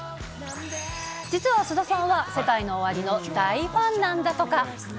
実は菅田さんは、セカイノオワリの大ファンなんだとか。